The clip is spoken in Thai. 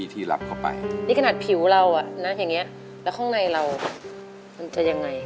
ไม่สะอาบค่ะไม่เคยไปตรวจ